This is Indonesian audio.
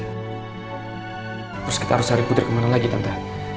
terus kita harus cari putri kemana lagi tante